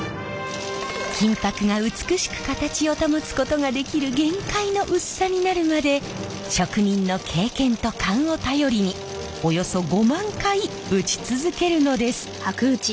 金箔が美しく形を保つことができる限界の薄さになるまで職人の経験と勘を頼りにおよそ５万回打ち続けるのです。